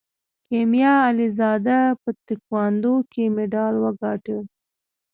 کیمیا علیزاده په تکواندو کې مډال وګاټه.